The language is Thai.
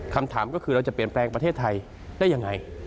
คำถามก็คือเราจะเปลี่ยนแปลงประเทศไทยได้ยังไง